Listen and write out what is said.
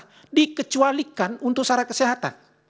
itu sudah dikecualikan untuk syarat kesehatan